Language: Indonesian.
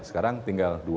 sekarang tinggal dua